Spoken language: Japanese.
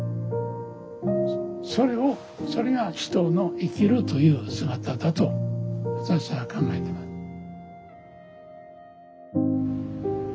それをそれが人の生きるという姿だと私は考えています。